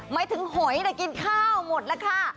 ไม่ถึงหอยนะกินข้าวหมดล่ะค่ะ